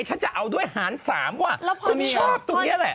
ฉันจะเอาด้วยหาร๓ว่ะฉันชอบตรงนี้แหละ